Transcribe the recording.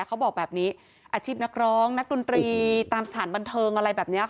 เขาบอกแบบนี้อาชีพนักร้องนักดนตรีตามสถานบันเทิงอะไรแบบนี้ค่ะ